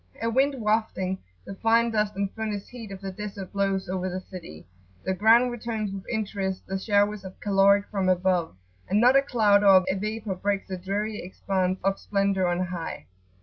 A wind wafting the fine dust and furnace heat of the desert blows over the city; the ground returns with interest the showers of caloric from above, and not a cloud or a vapour breaks the dreary expanse of splendour on high.